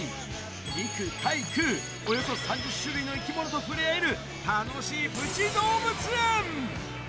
陸海空、およそ３０種類の生き物と触れ合える、楽しいプチ動物園。